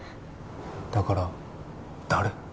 だから誰！？